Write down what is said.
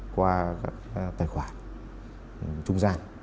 các tài khoản trung gian